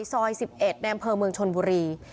ซอย๑๑ในอำเภอเมืองชนบุรี